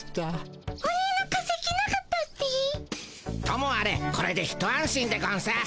ともあれこれで一安心でゴンス。